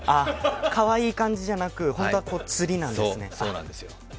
かわいい感じじゃなく、本当はつりなんですね。